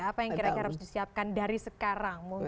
apa yang kira kira harus disiapkan dari sekarang mungkin